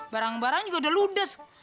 barang barang juga udah ludes